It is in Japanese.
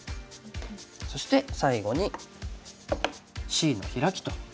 そして最後にＣのヒラキと。